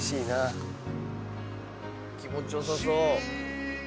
気持ちよさそう。